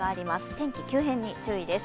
天気急変に注意です。